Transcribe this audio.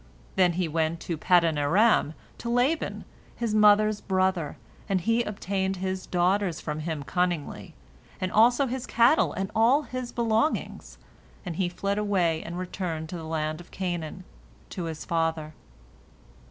Then he went to Paddan aram, to Laban, his mother's brother, and he obtained his daughters from him cunningly, and also his cattle and all his belongings, and he fled away and returned to the land of Canaan, to his father.